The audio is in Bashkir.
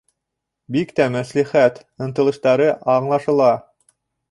Бик тә мәслихәт, ынтылыштары аңлашыла.